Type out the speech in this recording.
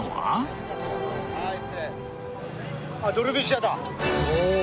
あっドルビー・シアター。